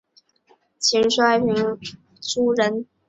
秦哀平帝苻丕氐族人。